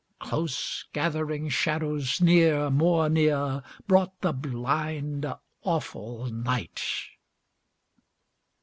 Close gathering shadows near, more near, Brought the blind, awful night.